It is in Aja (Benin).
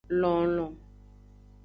Lonlon.